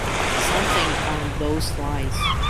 Something on those lines.